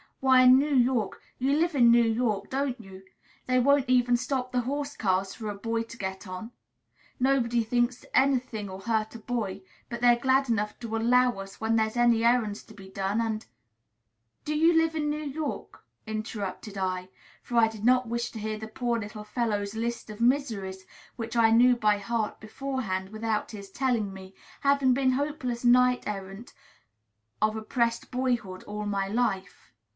Why, in New York (you live in New York, don't you?) they won't even stop the horse cars for a boy to get on. Nobody thinks any thing'll hurt a boy; but they're glad enough to 'allow' us when there's any errands to be done, and" "Do you live in New York?" interrupted I; for I did not wish to hear the poor little fellow's list of miseries, which I knew by heart beforehand without his telling me, having been hopeless knight errant of oppressed boyhood all my life.